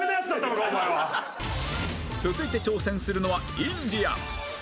続いて挑戦するのはインディアンス